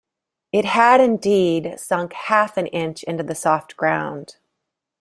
It had, indeed, sunk half an inch into the soft ground.